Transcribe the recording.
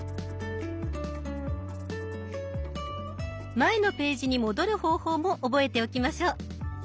前のページに戻る方法も覚えておきましょう。